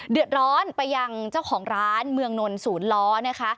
เดือดร้อนไปยังเจ้าของร้านเมืองนนศูนย์ล้อนะคะ